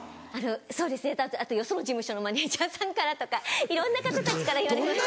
そうですねあとよその事務所のマネジャーさんからとかいろんな方たちから言われました。